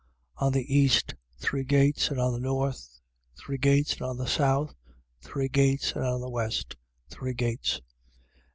21:13. On the east, three gates: and on the north, three gates: and on the south, three gates: and on the west, three gates.